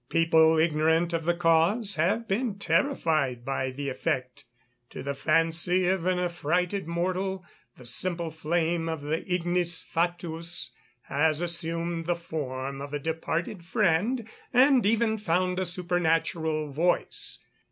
People, ignorant of the cause, have been terrified at the effect. To the fancy of an affrighted mortal, the simple flame of the Ignis Fatuus has assumed the form of a departed friend, and even found a supernatural voice.